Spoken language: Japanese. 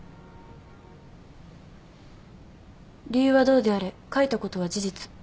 理由はどうであれ書いたことは事実。